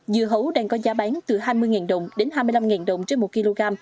dưa hấu đang có giá bán từ hai mươi đồng đến hai mươi năm đồng trên một kg